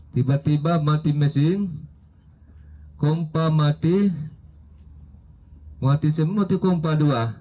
tiba tiba mati mesin kompa mati mati semua mati kompa dua